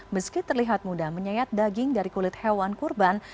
meski terlihat mudah menyayat daging dari kulit hewan kurban